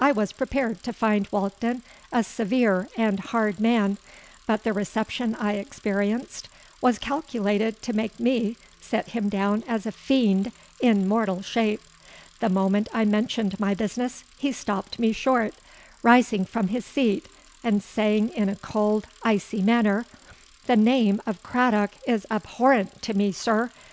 I was prepared to find Walkden a severe and hard man; but the reception I experienced was calculated to make me set him down as a fiend in mortal shape. The moment I mentioned my business, he stopped me short,—rising from his seat, and saying in a cold, icy manner, 'The name of Craddock is abhorrent to me, sir.